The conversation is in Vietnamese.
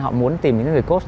họ muốn tìm những người coach